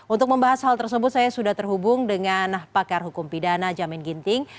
untuk membahas hal tersebut saya sudah terhubung dengan pakar hukum pidana jamin ginting